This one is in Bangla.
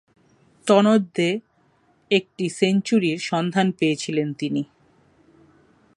তন্মধ্যে, একটি সেঞ্চুরির সন্ধান পেয়েছিলেন তিনি।